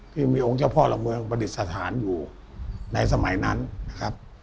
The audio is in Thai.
ที่มีองค์เจ้าพ่อหลักเมืองประดิษฐานอยู่ในสมัยนั้นนะครับ